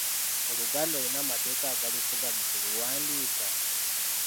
Oluganda olina amateeka agalufuga mu kuluwandiika.